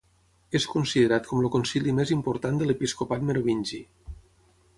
És considerat com el concili més important de l'episcopat merovingi.